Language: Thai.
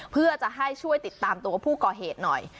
เพื่อจะให้ช่วยติดตามตัวผู้ก่อเหตุหน่อย